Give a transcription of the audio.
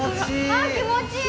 あ気持ちいい